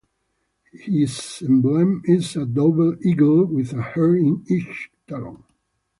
His emblem is a double eagle with a hare in each talon.